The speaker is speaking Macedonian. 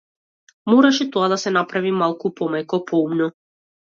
Мораше тоа да се направи малку помеко, поумно.